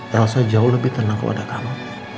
telsa jauh lebih tenang kepada kamu